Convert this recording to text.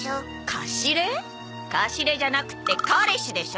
カシレじゃなくてカレシでしょ。